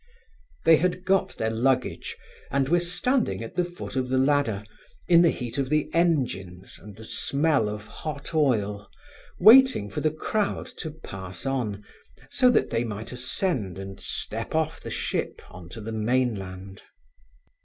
They had got their luggage, and were standing at the foot of the ladder, in the heat of the engines and the smell of hot oil, waiting for the crowd to pass on, so that they might ascend and step off the ship on to the mainland.